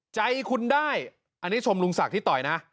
ใจคุณได้อันนี้ชมลุงศักดิ์ที่ต่อยนะ